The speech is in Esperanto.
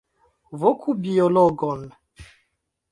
Voku biologon!